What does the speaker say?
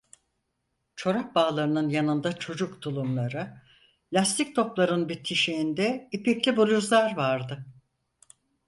Çorap bağlarının yanında çocuk tulumları, lastik topların bitişiğinde ipekli bluzlar vardı.